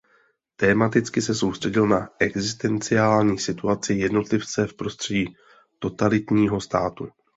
Tematicky se soustředil na existenciální situaci jednotlivce v prostředí totalitního státu.